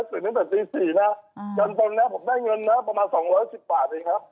ตื่นตั้งแต่ตี๔นะจนนะผมได้เงินนะประมาณ๒๑๐บาทเองครับ